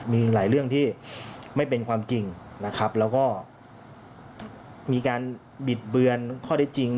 มีหลายเรื่องที่ไม่เป็นความจริงนะครับแล้วก็มีการบิดเบือนข้อได้จริง